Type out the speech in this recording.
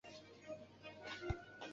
二硫为硫的双原子分子。